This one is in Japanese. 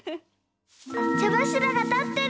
ちゃばしらがたってる！